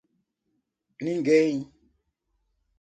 Ninguém